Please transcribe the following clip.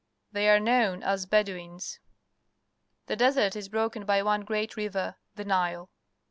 They are known as Bedouins . The desert is broken by one great river — the Kile.